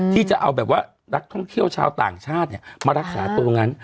ที่จะเอาแบบว่านักท่องเที่ยวชาวต่างชาติมารักษาตัวงั้น